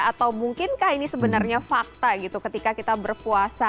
atau mungkinkah ini sebenarnya fakta gitu ketika kita berpuasa